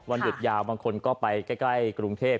หยุดยาวบางคนก็ไปใกล้กรุงเทพ